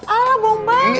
alah bohong banget